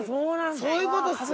そういうことですね。